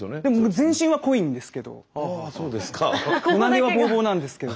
全身は濃いんですけど。